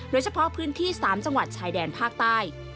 โดยเฉพาะพื้นที่๓จังหวัดชายแดนภาคใต้